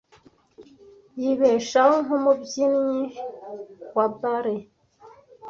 Yibeshaho nkumubyinnyi wa ballet.